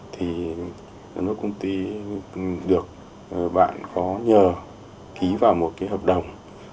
thì mỗi công ty được bạn có nhờ ký vào một cái hợp đồng